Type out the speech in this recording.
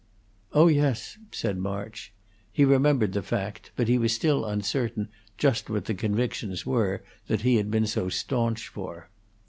"Oh yes," said March; he remembered the fact; but he was still uncertain just what the convictions were that he had been so stanch for.